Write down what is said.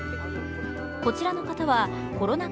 こちらの方はコロナ禍